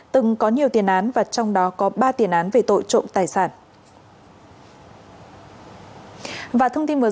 từng có nhiều tiền án và trong đó có ba tiền án về tội trộm tài sản